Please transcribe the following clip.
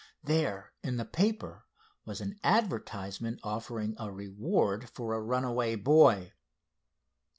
There, in the paper, was an advertisement offering a reward for a runaway boy."